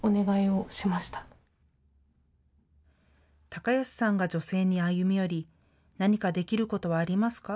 貴康さんが女性に歩み寄り何かできることはありますか？